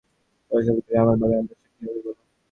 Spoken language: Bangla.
সরলা গেলে আমার বাগানের দশা কী হবে বলো।